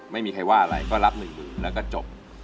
ไม่มีใครว่าอะไรก็รับหนึ่งหมื่นแล้วก็จบ